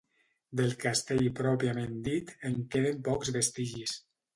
Del castell pròpiament dit, en queden pocs vestigis.